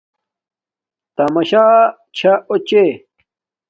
تماشہ چھا اݸچے